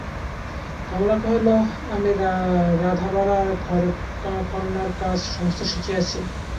কমলা কহিল, আমি রাঁধাবাড়া ঘরকন্নার কাজ সমস্ত শিখিয়াছি।